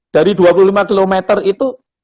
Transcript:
dari dua puluh lima km itu